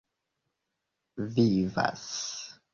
vivas